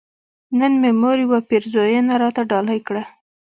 نن مې مور يوه پيرزوينه راته ډالۍ کړه